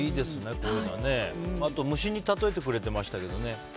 あと、みんなを虫に例えてくれていましたけど。